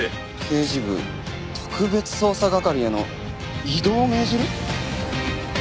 「刑事部特別捜査係への異動を命じる」？